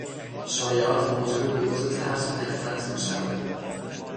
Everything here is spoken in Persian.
شایعات موجب بروز ترس و نفرت میشود.